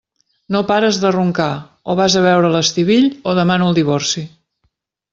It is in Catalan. No pares de roncar: o vas a veure l'Estivill o demano el divorci.